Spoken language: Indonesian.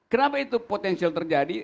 kenapa itu potensial terjadi